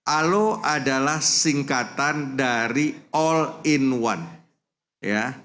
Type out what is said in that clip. alo adalah singkatan dari all in one